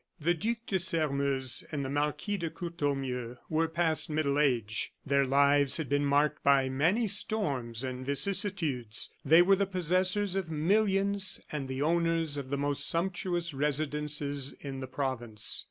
The Duc de Sairmeuse and the Marquis de Courtornieu were past middle age; their lives had been marked by many storms and vicissitudes; they were the possessors of millions, and the owners of the most sumptuous residences in the province.